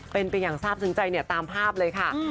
เป็นไปอย่างทราบซึ้งใจเนี่ยตามภาพเลยค่ะ